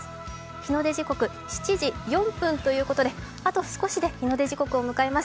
日の出時刻７時４分ということであと少しで日の出時刻を迎えます